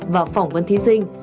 và phỏng vấn thí sinh